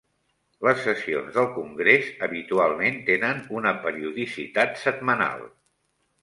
Les sessions del Congrés habitualment tenen una periodicitat setmanal.